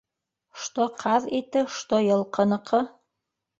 Што ҡаҙ ите, што йылҡыныҡы.